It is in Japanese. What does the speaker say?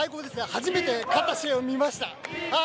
初めて勝った試合を見ました！